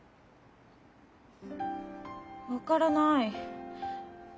分からない。